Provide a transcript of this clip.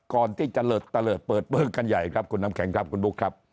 ก่อนที่จะเลิศเปิดเบิ้งกันใหญ่ครับคุณน้ำแข็งครับคุณบุ๊คครับ